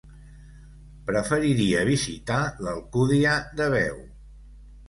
Preferiria visitar l'Alcúdia de Veo.